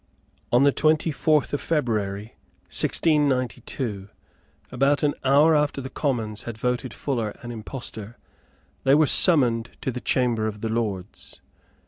On the twenty fourth of February 1692, about an hour after the Commons had voted Fuller an impostor, they were summoned to the chamber of the Lords.